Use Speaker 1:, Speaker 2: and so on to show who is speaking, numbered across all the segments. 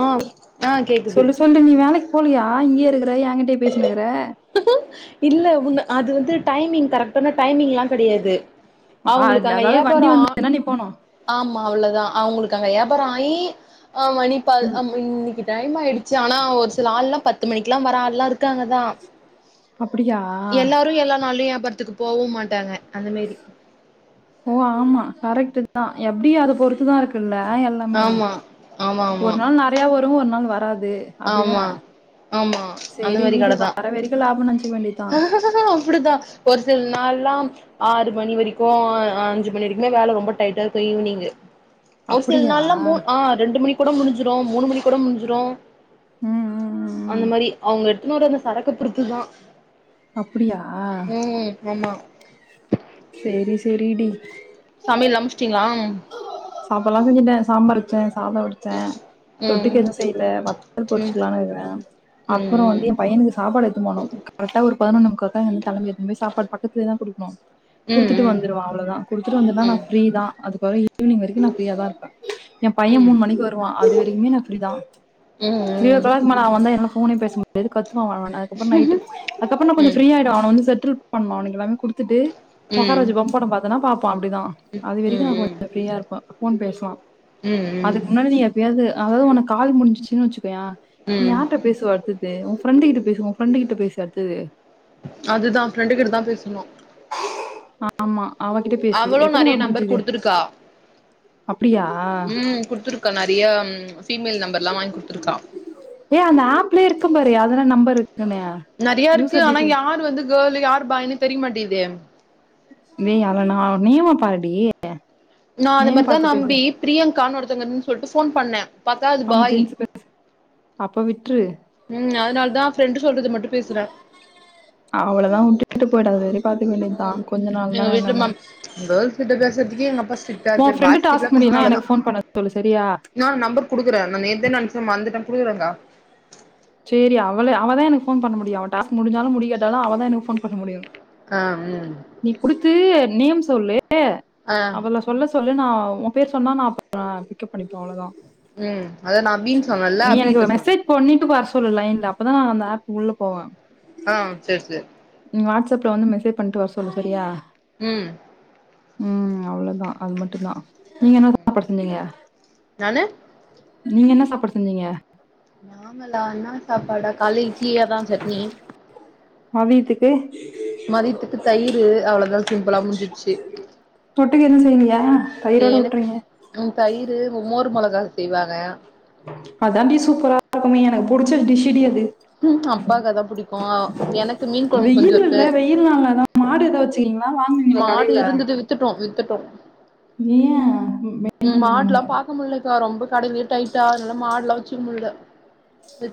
Speaker 1: ஆ ஆ கேக்குது
Speaker 2: போறியா இங்கே இருக்க செரி எ கிட்டயே பேசினு இருக்குற
Speaker 1: இல்ல உன்ன அது வந்து டைமிங் கரெக்டான டைமிங் எலா கெடையாது அவுங்களுக்கு
Speaker 2: [unintelligible] அதாது வண்டி வந்துச்சுனா நீ போனு
Speaker 1: மா அவளதா அவுங்களுக்கு அங்க வியாபாரம் ஆயி ஆமா இன்னைக்கு ப டைம் ஆயிடுச்சு ஆனா ஒரு சில ஆள் எல்லா பத் பத்து மணிக்கு வர ஆள்லா இருக் இருக்காங்க தா
Speaker 2: அப்டியா
Speaker 1: எல்லாரு எல்லா நாள்யு பரத்துக்கு போவு மாட்டாங்க அந்த மாரி
Speaker 2: ஓ ஆமா கரெக்ட் இதா எப்டி அத பொறுத்துதா இருக்குல்ல ஆ எல்லாமே
Speaker 1: ஆமா ஆமா ஆமா
Speaker 2: ஒரு நாள் நெறைய வரு ஒரு நாள் வராது அப்டிதான
Speaker 1: ஆமா ஆமா அந்த
Speaker 2: சேரி
Speaker 1: மாரி
Speaker 2: வீடு
Speaker 1: கடதா
Speaker 2: வர வரைக்கு லாபம்னு நெனச்சுக்க வேண்டியதான்
Speaker 1: அப்டிதா ஒரு சில நாள்லா ஆறு மணி வரைக்கு அஞ்சு மணி வரைக்குமே வேல ரொம்ப டைட்டா இருக்கு ஈவினிங்கு ஒரு சில
Speaker 2: அப்டியா
Speaker 1: நாள்ல மூண் ஆ ரெண்டு மணி கூட முடிஞ்சுரு மூணு மணி கூட முடிஞ்சுரு
Speaker 2: ம் ம் ம்
Speaker 1: அந்த
Speaker 2: ம்
Speaker 1: மாரி அவுங்க இன்னொரு அந்த சரக்கு பிடித்துதா
Speaker 2: அப்டியா சேரி செரி டி
Speaker 1: சமையல்லா முடிச்சிட்டீங்களா
Speaker 2: சாப்ப வதிஞ்டே சாம்பார் வச்சே சாத அடிச்சே
Speaker 1: ம்
Speaker 2: தொட்டுக்க எதுவு செய்ல வத்தல்
Speaker 1: ம்
Speaker 2: பொரிச்சுகலா இந்தே
Speaker 1: ம்
Speaker 2: அப்பறம்
Speaker 1: ம்
Speaker 2: வந்து எ பையனுக்கு சாப்பாடு எடுத்தனு போனு கரெக்ட்டா ஒரு பதிநோன்முக்கா இங்க இருந்து கெழபி எத்துனு போயி சாப்பாடு பக்கத்துலியேதா குடுக்கணு
Speaker 1: ம்
Speaker 2: குடுத்துட்டு
Speaker 1: ம்
Speaker 2: வந்துருவ அவ்வளதா குடுத்துட்டு வந்தன்னா நா
Speaker 1: ம்
Speaker 2: ஃப்ரீதா அது போய் ஈவினிங் வரைக்கு நா ஃபிரீயா தா இருப்பே ஏ பைய
Speaker 1: ம்
Speaker 2: மூன்னு மணிக்கு வருவா அது வரைக்குமே நா ஃபிரீதா
Speaker 1: ம்
Speaker 2: திரியோ கிளாக்
Speaker 1: ம்
Speaker 2: மேல அவ வந்தா என்னால ஃபோனே பேச முடியது கத் த்துவ வன வன அதுக்கு அப்புறோ நைட்டு அதுக அப்புறோ நா கொஞ்சோ ஃபிரியிடும் அவ வந்து செட்டல் பண்ணோனே எல்லாமே குடுத்துட்டு ஒக்காரவஜி பொம்படம் பாத்தன்னா பாப் ப்பா அப்பிடிதா அது
Speaker 1: ம்
Speaker 2: வெரிக்கு நா கொ
Speaker 1: ம்
Speaker 2: ஃப்ரீயா இருப்பா ஃபோன் பேசுவா
Speaker 1: ம்
Speaker 2: அதுக்கு முன்னாடி நீ எப்பியாது அதாது உனக்கு கால் முடிஞச்சின் வச்சி கோய நீ
Speaker 1: ம்
Speaker 2: யார்ட்ட பேசுவ அடுத்து து உ ஃப்ரண்டு கிட்ட பேசு உ ஃப்ரெண்டு கிட்ட பேசு அடுத்தது
Speaker 1: அதுதா ஃப்ரெண்டு கிட்டதா பேசுணு
Speaker 2: ஆமா அவகிட்ட பேசுது எத்தன கால்
Speaker 1: நம்பர்
Speaker 2: முடிஞ்சுக்குது
Speaker 1: குடுத்துருக்கா ம் குடுத்துருக்க நா தியாம்
Speaker 2: ஏ அந்த ஆப்ளே இருக்கும் பாரு அதல்ல நம்பர் இருக்குன்னு
Speaker 1: நெறைய இருக்கு
Speaker 2: யூசர்
Speaker 1: ஆனா
Speaker 2: டீடைல்
Speaker 1: யார் வந்து கேலு யாரு பாயின்னு தெரிய மாட்டேது
Speaker 2: நே அல நா நேம பாருடி
Speaker 1: நா அது
Speaker 2: நேம்
Speaker 1: மாரிதா
Speaker 2: பார்த்து பேசு
Speaker 1: நம்பி பிரியங்கான் ஒருத்தங்கன் சொல்ட்டு ஃபோன் பண்ணே பாத்தா அது
Speaker 2: அவங்க
Speaker 1: பாய்
Speaker 2: ஜென்ஸ் பேச அப்பவிட் ட்டுரு
Speaker 1: ம் அதனாலதா ஃப்ரெண்டு் சொல்றது மட்டு பேசுறே
Speaker 2: அவ்ளதா உட்டுட்டு போயிடா அது வரைக்
Speaker 1: ம் எங்க வீட்ல மேம் கேள்ஸ் கிட்ட பேசுறதுக்கே எங்க அப்பா ஸ்டிக்ட்டா
Speaker 2: உன்
Speaker 1: இருக்குரு
Speaker 2: ஃப்ரெண்டு
Speaker 1: பாய்ஸ் கிட்டலா
Speaker 2: டாஸ்க்
Speaker 1: பேசனா
Speaker 2: முடியலாம்
Speaker 1: அவ்ளதா
Speaker 2: எனக்கு ஃபோன் பண்ண சொல்லு சரியா
Speaker 1: நா நம்பர் குடுக்குறே நா நேத்தே நெனச்சே மறந்துட்டே புரியலங்கா
Speaker 2: சரி அவள அவதா எனக்கு ஃபோன் பண்ண முடியு அவ டாஸ்க் முடிஞ்ஞாலும் முடியாடாலு அவதா எனக்கு ஃபோன் பண்ண முடியு
Speaker 1: ஆ ம்
Speaker 2: நீ குடுத்து நேம் சொல்லு ஏ
Speaker 1: ஆ
Speaker 2: அவள சொல்ல சொல்லு நா உ பேர் சொன்னா நா பிக்கப் பண்ணிப்பே அவ்ளோதா
Speaker 1: உ அத நா அபினு சொன்னேன்ல்ல
Speaker 2: நீ எனக்கு
Speaker 1: அபிகட்டசொல்றே
Speaker 2: மெசேஜ் பண்ணிட்டு வர சொல்லு லைன்ல அப்பதா அந்த ஆப் உள்ள போவே
Speaker 1: ஆ செரி செரி
Speaker 2: ட்ஸ்அப்ல வந்துமேசேஜ் பண்ணிட்டு வர சொல்லு சரியா
Speaker 1: உ
Speaker 2: உ அவ்வளதா அது மட்டு தா நீங்க என்ன சாப்பாடு செஞ்சீங்க
Speaker 1: நானு
Speaker 2: நீங்க என்ன சாப்பாடு செஞ்சீங்க
Speaker 1: நார்மலாணா சாப்பாடா கால இட்லியாதா சட்னி
Speaker 2: மதியத்துக்கு
Speaker 1: மதியத்துக்கு தயிரு அவளதா சிம்பிளா முடிஞ்சிச்சு
Speaker 2: தொட்டுக்க எதுவு செய்யலையா தயிரோட
Speaker 1: எனக்கு
Speaker 2: விட்டுறீங்க
Speaker 1: உ தயிர் கு மோர் மொளகா செய்வாங்க
Speaker 2: இப்ப தாண்டி சூப்பரா இருக்குமே எனக்கு புடிச்ச டிஷ்டி அது
Speaker 1: உ அப்பாகு அதா புடிக்கு எனக்கு மீன் கொழம்பு கொஞ்ச இருக்கு
Speaker 2: தெர்மா
Speaker 1: மாடு இருந்துது வித்துட்டோ வித்துட்டோ
Speaker 2: ஏ
Speaker 1: உ
Speaker 2: மெயின்டென் பண்ண
Speaker 1: மாட்லா
Speaker 2: முடில
Speaker 1: பாக்க முடியலக்கா ரொம்ப கடல டைட்டா அதனால மாடெல்லா வச்சுக்க முட்ல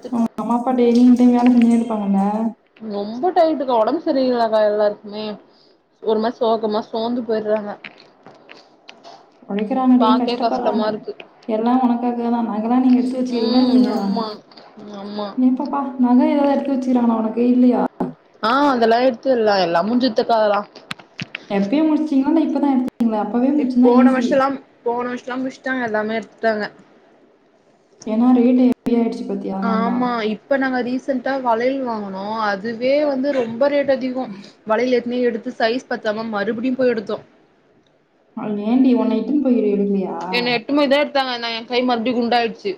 Speaker 2: உவங்க அம்மா அப்பா டெய்லி வீட்ல வேல செஞ்சுனே இருப்பாங்லா
Speaker 1: ரொம்ப டைட்டுக்கா உடம்பு சரியங்களாக்கா எல்லாத்துக்குமே ஒரு மாரி சோகமா சோர்ந்து போயடுறாங்க
Speaker 2: உழைக்கிறாங்கடி கஷ்டப்படுறாங்க
Speaker 1: இருக்கு
Speaker 2: எல்லா உனக்காகதா நகலா நீங்க எடுத்து வச்சிகிரீங்களா ய
Speaker 1: ம்
Speaker 2: இல்லையா
Speaker 1: ஆமா ஆமா
Speaker 2: நீப்பப்பா நக ஏதாவது எடுத் வச்சுறாங்களா உனக்கு இல்லையா
Speaker 1: ஆஅதெல்லாய் க்கு எல்லா எல்லா முடுஞ்சித்து க்காதலா
Speaker 2: எப்பயோ முடிச்சீங்களா இல்ல இப்பதா எடுத்து
Speaker 1: இ போன வருஷம்லா போன வர்ஷ் ல்லா முடுஷ்டாங்க எல்லாமே எடுத்துட்டாங்க
Speaker 2: ஏன்னா ரேட் இப்ப ஏறிடுச்சு
Speaker 1: ஆமா இப்ப நாங்க ரீசெண்ட்டா வளையல் வாங் போனோ அதுவே வந்து ரொம்ப ரேட் இப் அதிகோ வளையல் ஏற்கனே எடுத் இது சைஸ் பத்தாம மறுபடியு போய் எடுத்தோ
Speaker 2: ஏண்டி ஒன்ன இப்டி போயிரு
Speaker 1: என்ன எட்டு போய்தா இருக் எத்தாங்கா எ கை மறுபடி குண்டாய்டுச்சு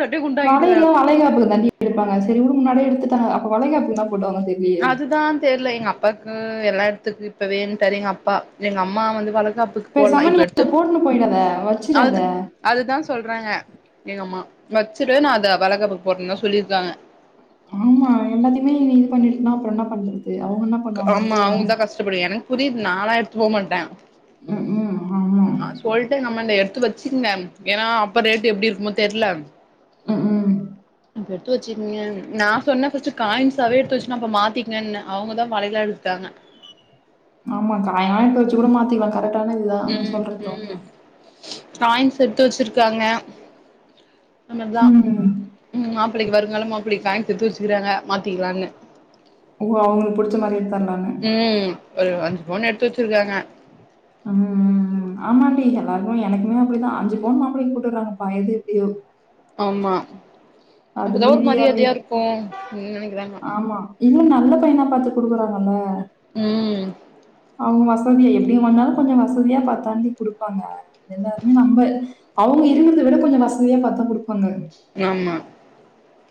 Speaker 1: சாப்ட்டே குண்டாகிடுவே
Speaker 2: வலையல்லா வளைகாப்புக்கு தண்டி எடுப்பாங்க சரி உடு முன்னாடிய எடுத்துட்டு அப்ப வளைகாப்புக்கு என்னப்
Speaker 1: அதுதா தெர்ல எங்க அப்பாக்கு இப்பு எல்லா இடத்துக்கு இப்ப வட்டாரு எங்க அப்பா எங்க அம்மா வந்து வளர் வளகாப்புக்கு போடலா
Speaker 2: பேசாம நீ
Speaker 1: இப்ப
Speaker 2: அதை
Speaker 1: எடுத்து
Speaker 2: போட்டுன்னு போயிடாத. வச்சிடாத.
Speaker 1: அது அதுதா சொல்றேங்க எங்க அம்மா வச்சுடு நா அத வழக்காப்புக்கு போட்டேன்னு தா சொல்லியிருக்காங்க
Speaker 2: ஆமா எல்லாத்தையுமே இது பண்ணிட்டு னா அப்பறோ என்ன பண்
Speaker 1: ஆமா அவுங்க தா கஷ்டப்படு எனக்கு புரியுது நாலா போமாட்டே
Speaker 2: ம் ம் ஆமா.
Speaker 1: ம் சொல்ட்டே நம்ம எடு த்து வச்சுருந்தே ஏன்னா அப்ப ரேட்டு எப்டி இருக்குமோ தெர்லம்
Speaker 2: ஆ உ
Speaker 1: ப்ப எடுத்து வச்சுக்கீங்க நா சொன்ன காயின்சே எடுத்து வச்சுன்னா அப்ப மாத்திக்கங்கன்னு அவுங்க தா வலையிலா எடுத்துட்டாங்க
Speaker 2: ஆமா காயிலா வச்சு கூட மாத்திவே கரெக்ட் டான இதுதா அங்கு சொல்றட்டு
Speaker 1: காயின்ஷ் எடுத்து வச்சுருக்காங்க நமர் தா
Speaker 2: ம்.
Speaker 1: ம் மாப்பிள்ளக்கு வரு அதுனால மாப்பிளைக்கு காய்ன்சு எடுத்து வச்சுக்கிறாங்க மாத்திக்கலான்னு
Speaker 2: ஓ அவுங்களுக்கு புடிச்ச மாரி அந்
Speaker 1: ம் ஒருவந் ஒண்ணு எடுத்து வச்சுருக்காங்க
Speaker 2: ம்ம்ம் ஆமாண்டி எல்லாருக்கு எனக்குமே அப்டிதா அஞ்சு போண் மாப்பிளைக்கு போட்டுவுட்றாங்கப்பா எது எப்டியோ
Speaker 1: ஆமா
Speaker 2: அது
Speaker 1: அப்பதா ஒரு
Speaker 2: மீதி அபி
Speaker 1: மரியாதையா இருக்கு ம் நெனைக்கிறாங்க
Speaker 2: ஆமா இன்னு நல்ல பையனா பாத்து குடுக்குறாங்கல்ல
Speaker 1: ம்
Speaker 2: அவுங்க வச வசதியா எப்டி வாலு கொஞ்ச வசதியா பத்தாண்டி குடுப்பாங்க எல்லாருமே நம்ப அவுங்க இருங்கிறத விட கொஞ்ச வசதியா பாத்தா குடுப்பாங்க
Speaker 1: ஆமா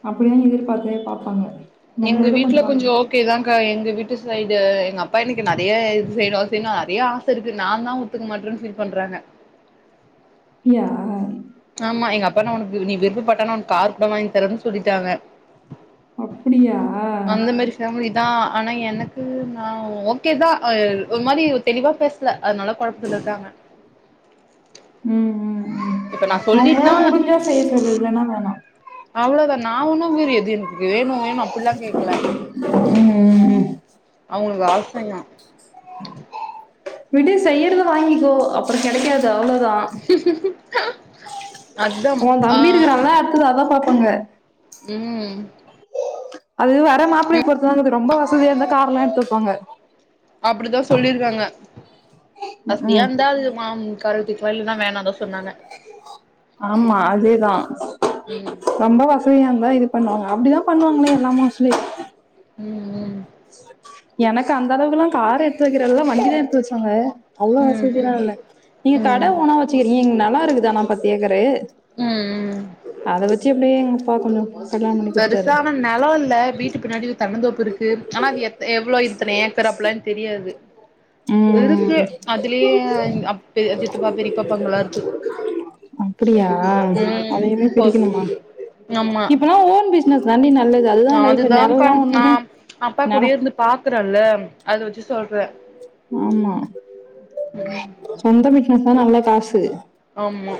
Speaker 2: அப்டிதா எதிர்பாத்தே பாப்பாங்க
Speaker 1: எங்க
Speaker 2: நம்மளோட
Speaker 1: வீட்ல
Speaker 2: கொஞ்சம்
Speaker 1: கொஞ்ச
Speaker 2: நம்பி
Speaker 1: ஓகேதா எங்க வீட்டு சைடு ட்டு எங்க அப்பா எனக்கு நெறைய இது செய்யணு செய்யணு நெறைய ஆச இருக்கு நா தா ஒத்துக்க மாட்டேன்னு ஃபீல் பண்றாங்க
Speaker 2: இயா
Speaker 1: ஆமா எங்க அப்பானா உனக்கு நீ விருப்பப்பட்டானா உனக்கு கார் கூட வாங்கி தரேன்னு சொல்லிட்டாங்க
Speaker 2: அப்டியா
Speaker 1: அந்த மாரி ஃபேமிலி தா ஆனா எனக்கு நா ஓகே தா அ ஒரு மாரி தெளிவா பேசல அதனால கொழப்பத்துல இருக்காங்க இப்ப நா
Speaker 2: அவுங்களால
Speaker 1: சொல்லிட்னா
Speaker 2: முடிஞ்சா செய்ய சொல்லு இல்லனா வேணா
Speaker 1: அவ்ளோதா நா உனு வேற எது வேணு வேணு அப்படில்லா கேக்கல
Speaker 2: ம்
Speaker 1: அவுங்க வாசையா
Speaker 2: விடு செய்யறத வாங்கிக்கோ அப்பறம் கெடைக்காது அவ்ளோதா
Speaker 1: [inaudible] [unintelligible]
Speaker 2: ஓ
Speaker 1: ஆ
Speaker 2: தம்பி இருக்குறால்ல தா அடுத்தது அதா பாப்பாங்க
Speaker 1: ம்
Speaker 2: அது வர்ற மாப்பிள்ளய
Speaker 1: ம்
Speaker 2: பொறுத்து தா இது ரொம்ப வசதியா இருந்தா கார்ல எடுத்து வப்பாங்க
Speaker 1: அப்டிதா சொ சொல்லிருக்காங்க
Speaker 2: ம்
Speaker 1: வசதியா
Speaker 2: ம்
Speaker 1: இருந்தா அது மாம் கார் எடுத்து தரும் இல்லனா வேணான்னு தா சொன்னாங்க
Speaker 2: ஆமா அதேதா
Speaker 1: ம்
Speaker 2: ரொம்ப வசதியா இது பண்ணுவாங்க அப்படிதான் பண்ணுவாங்களே எல்லாம சொல்லி
Speaker 1: ம் ம்
Speaker 2: எனக்கு அந்த அளவுகெல்லா கார் எடுத்து வக்கிறல்லா வண்டிதா எடுத்து வச்சாங்க அவ்ளோ
Speaker 1: ம் ம் ம்
Speaker 2: வசதிய இல்ல நீங்க கட
Speaker 1: ம்
Speaker 2: ஓனா வச்சுக்கிறீங்க நல்லா நில இருக்குதானா பத்து ஏக்கரு
Speaker 1: ம் ம்
Speaker 2: அத வச் சப்டியே எங்க பாக்கணு
Speaker 1: பெருசான நெல இல்ல வீட்டு பின்னாடி தென்னந்தோப்பு இருக்கு ஆனா அது எத் எவ்ளோ இப் அத்தன ஏக்கர் அப்பலா எனக்கு தெரியாது இருக்கு
Speaker 2: ம்
Speaker 1: அதுலயே அப் சித்தப்பா பெரியப்பா பங்கல்லா இருக்கு
Speaker 2: அப்பிடியா
Speaker 1: ம்
Speaker 2: அதையுமே
Speaker 1: போ
Speaker 2: பிரிக்கணுமா இப்பல்லா ஓன் பி சினஸ்தாண்டி ந
Speaker 1: அதுதாங்க்கா நா அப்பா
Speaker 2: நெல
Speaker 1: கூடயே இருந்து பாக்குறேல்ல அது வெச்சு சொல்றே
Speaker 2: ஆமா சொந்த வீட்ல இருக்றது அவ்ளோ கா சு
Speaker 1: ஆமா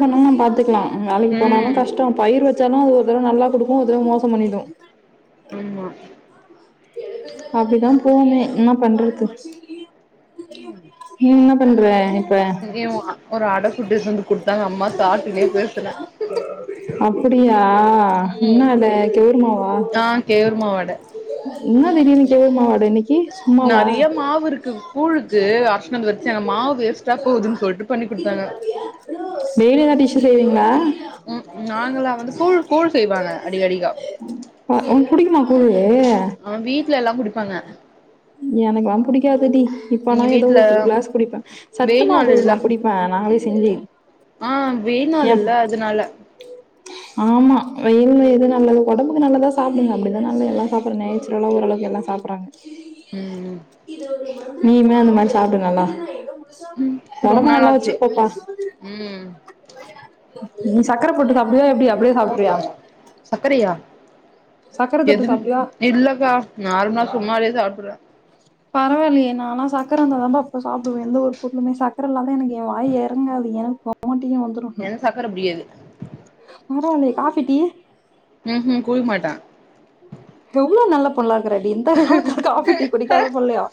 Speaker 2: பண்ணவு நம்ம பாத்துக்கலா ம் வேலைக்கி போனாலு
Speaker 1: ம்
Speaker 2: கஷ்டோ பயிர் வ ச்சாலு ஒரு தடவ நல்லா குடுக்கு ஒரு தடவ மோசோ பண்ணிடு
Speaker 1: ஆமா
Speaker 2: அப்டிதா போவுமே என்னா பண்றது நீ என்ன பண்ற ன்ற
Speaker 1: இங்கயு ஒரு அட சுட்டு எடுத்துட்டு வந்து குடுத்தாங்க அம்மா சாப்ட்டுனே பேசுறே
Speaker 2: அப்பிடியா என்ன
Speaker 1: ம்
Speaker 2: அந்த கேருமாவா
Speaker 1: ஆ கேவுருமாவு அட
Speaker 2: என்ன திடீர்னு கேர்மாவு மாவு அட இன்னக்
Speaker 1: நெறைய மாவு இருக்கு கூழுக்கு அர்ச்சுனு வந்து வச்சே அந்த மாவு வேஸ்ட்டா போதுன்னு சொல்ட்டு பண்ணி் குடுத்தாங்க
Speaker 2: ச்சு செய்றீங்ளா
Speaker 1: ம் நாங்களா வந்து கூழ் கூழ் செய்வாங்க அடிக்கடிக்கா
Speaker 2: ஆ உனக்கு புடிக்குமா கூழு
Speaker 1: ஆனா வீ ட்ல எல்லா குடிப்பாங்க
Speaker 2: எனக்கல்லா புடிக்காதுடி இப்பனா
Speaker 1: இங்க
Speaker 2: எதோ
Speaker 1: வீட்ல
Speaker 2: ஒரு கிளாஸ் குடிப்பே
Speaker 1: வெயில் நாள்
Speaker 2: சத்துமாவு
Speaker 1: இல்ல
Speaker 2: நா குடிப்பே நாங்களே செஞ்சி
Speaker 1: ஆ வெயில் நாளு இல்ல அதனால
Speaker 2: ஆமா வெயில்ல எது நல்லது ஒடம்புக்கு நல்லதா சாப்டுங்க அப்டிதா நால்லா எல்லா சாப்பட்றே நேச்சுரலா ஓரளவுக்கு எல்லா சாப்பட்றாங்க
Speaker 1: ம்
Speaker 2: இது ஒரு நீயுமே அந்த மாரி சாப்டு நல்லா
Speaker 1: ம் ரொம்ப
Speaker 2: ஒடம்ப
Speaker 1: நாள்
Speaker 2: நல்லா
Speaker 1: ஆச்சு
Speaker 2: வச்சுக்கோப்பா
Speaker 1: ம்
Speaker 2: நீ சக்கர போட்டு சாப்டுவியா எப்டி அப்
Speaker 1: சக்கரையா
Speaker 2: சக்கர தொட்டு
Speaker 1: எது
Speaker 2: சாப்டுவியா
Speaker 1: இல்லக்கா நார்மலா சும்மவே சாப்டுவே
Speaker 2: பரவாயில்லையே நா ஆனா சக்கர [unintelligible] சாப் எந்த ஒரு பொருளுமே சக்கரயில்லாம எனக்கு வாய்ல எறங்காது [unintelligible] [unintelligible] வந்துரும்
Speaker 1: எனக்கு சக்கர புடிக்காது
Speaker 2: [unintelligible] வர காபி டீ
Speaker 1: உ உ [unintelligible] மாட்டே
Speaker 2: எவ்ளோ நல்ல புள்ள இக்குரடி இந்த காலத்து காஃபி டீ குடிக்காத புள்ளயா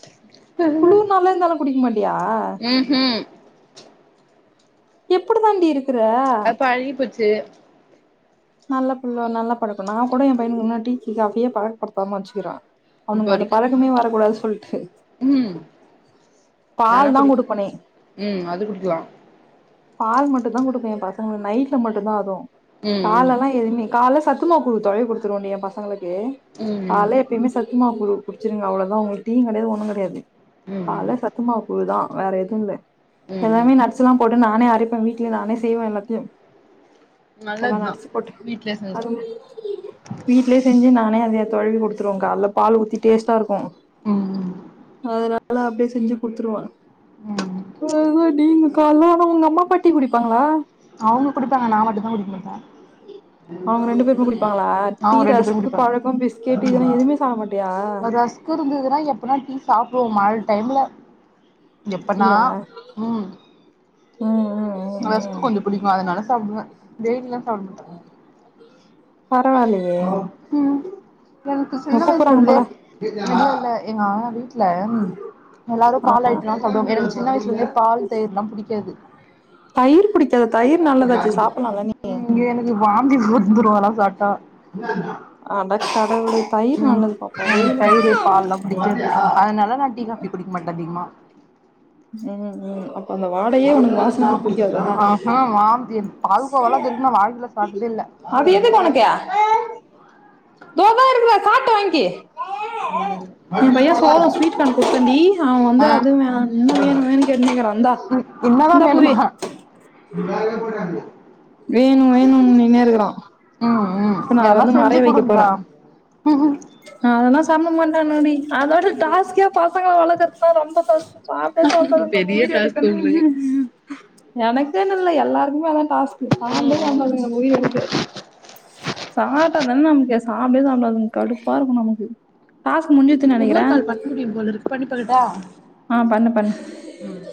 Speaker 2: குளிர்காலோ இருந்தாலு குடிக்க மாட்டியா
Speaker 1: ம் ஹும்
Speaker 2: எப்டி தாண்டி இருக் க்கிற
Speaker 1: சு
Speaker 2: நல்ல பிள்ள நல்லா பழக்கோ நா கூட எ பையன டி காஃபியே பழக்கப்படுத்தாம வச்சுக்கிறே
Speaker 1: இப்ப
Speaker 2: அவனுங்க அந்த
Speaker 1: வரைக்கு
Speaker 2: பழக்கமே வரக்கூடாது சொ
Speaker 1: ம்
Speaker 2: [unintelligible]
Speaker 1: அதெல்லா
Speaker 2: பால் தா
Speaker 1: குடி
Speaker 2: குடுப்பனே
Speaker 1: ம் அது குடிக்கலா
Speaker 2: பால் மட்டு தா கொடுப்பே எ பசங் உ நைட்ல மட்டுதா அது
Speaker 1: ம் ம்
Speaker 2: பாலல எதுமே காலஸ் சத்துமாவு குழு [unintelligible] குடுத்துற எ பசங்களுக்கு யே
Speaker 1: ம் ம்
Speaker 2: கால்ல எப்பயுமே சத் துமாவு கூழ் குடிச்சிருங்க அவ்ளதா உங்களுக்கு டியு கடையாது ஒன்னு கடையாது
Speaker 1: ம்
Speaker 2: கால
Speaker 1: ம்
Speaker 2: சத்துமாவு கூழ் தா வேற எதுவு இல்ல
Speaker 1: ம் ம்
Speaker 2: எல்லாமே நட்ஸ்லா போட்டு நானே அரப்பே இப்ப வீட்ல நானே செய்வே எல்லாத்தையு எல்லா
Speaker 1: நல்லதுதா
Speaker 2: நட்ஸ் போட்டு
Speaker 1: வீட்லயே செஞ்சா
Speaker 2: அது வீட்லயே செஞ்சு நானே அதே தொழவி கொடுத்துருவோ கால்ல பால் ஊத்தி டேஸ்டா இருக்கு
Speaker 1: ம் ம்
Speaker 2: ஆதுல அதெல்லா அப்டியே செஞ்சு குடுத்துருவ
Speaker 1: ம்
Speaker 2: [unintelligible] காலையில [unintelligible] உங்க அம்மா அப்பா டீ குடிப்பாங்களா
Speaker 1: அவங்க குடிப்பாங்க நா மட்டு நா குடுக்க மாட்டே
Speaker 2: அவங்க ரெண்டு பேருமே குடிப்பாங்களா டீ
Speaker 1: அவங்க ரெண்டு பேரு
Speaker 2: ரஸ்க்கு
Speaker 1: குடிப்பாங்க
Speaker 2: பழக்கோ பிஸ்கெட் இதெல்லா எதுவுமே சாப்ட மாட்டியா
Speaker 1: ஒரு ரஸ்க் இருந்துதுனா எப்பனா டீ சாப் ப்போ மழ டைம்ல எப்பன்னா
Speaker 2: அப்டியா
Speaker 1: ம்
Speaker 2: ம் ம் ம்
Speaker 1: ரஸ் க்கு
Speaker 2: ம்
Speaker 1: கொஞ்ச புடிக்கு அதனால சாப்டுவ டெய்லிலா சாப்ட மாட்டாங்க
Speaker 2: பரவால்லயே
Speaker 1: ம் எனக்கு சின்ன
Speaker 2: உன்ன
Speaker 1: வயசுல
Speaker 2: கூப்புறாங்க போல
Speaker 1: இருந்தே இல்ல எங்க அம்மா வீட் ல எல்லாரு பால் ஐட்டல்லா சாப்டுவாங் எனக்கு சின்ன வயசுலருந்தே பால் தயிர்லா புடிக்காது
Speaker 2: தயிர் புடிக்காதா தயிர் நல்லதாச்சே சாப்பட்லால்ல நீ
Speaker 1: ந்தி வந்துரு அதல்லா சாப்ட்டா
Speaker 2: அட கடவுளே தயிர்
Speaker 1: ம்
Speaker 2: நல்லது பாப்பா
Speaker 1: எனக்கு
Speaker 2: வெயிலுக்கு
Speaker 1: தயிரு பால்லா புடிக்காது அதனால நா டீ காஃபி குடிக்க மாட்டே அதிகமா
Speaker 2: ம் ம் அ
Speaker 1: ஆஹா வாந்தி எடு பால்கோவால்லா இதுவரைக்கு நா வாழ்க்கைல சாப்ட்டதே இல்ல
Speaker 2: அது தோபா இருக்குபார் சாப்டு வாங்கி யேன்
Speaker 1: வண்டியில
Speaker 2: பைய
Speaker 1: கொள்ளாத
Speaker 2: சோளோ ஸ்வீட் கான் குடுத்தேண்டி அவ வந்து
Speaker 1: ஆ
Speaker 2: அது வேணா இன்னு
Speaker 1: வருங்க
Speaker 2: வேணு வேணுனு கேட்னு இருக்குறா
Speaker 1: ம் என்னதா வேணுமா [unintelligible]
Speaker 2: வேணு வேணுன் நின்னுனே இருக்குறா
Speaker 1: ம் ம்
Speaker 2: இப்ப நா அத
Speaker 1: யார்னா
Speaker 2: வந்து
Speaker 1: செஞ்சு
Speaker 2: மறய வைக்க
Speaker 1: குடுங்கா
Speaker 2: போறே அதெல்லா சாப்டமா ட்டானாடி அத விட டாஸ்க்கே பசங்கள வளக்றதுதா ரொம்ப கஷ்டோ சாப்டவே சாப்டாது நம்ம
Speaker 1: பெரிய
Speaker 2: உயிர
Speaker 1: டாஸ்க்
Speaker 2: எடுக்கணுனு
Speaker 1: உங்களுக்கு
Speaker 2: எனக்குனு இல்ல எல்லாருக்குமே அதா டாஸ்க்கு சாப்டவே சாப்டாதுக உயிர எடுக்கு சாப்ட்டாதான நமக்கு சாப்டவே சாப்டாதுங்க கடுப்பா இருக்கு நமக்கு டாஸ்க் முடிஞ்சுதுன்னு
Speaker 1: இப்போ இன்னொரு
Speaker 2: நெனைக்கிறே
Speaker 1: கால் பண்ண முடியு போல இருக்கு பண்ணி பாக்கட்டா
Speaker 2: ஆ பண்ணு பண்ணு
Speaker 1: ம்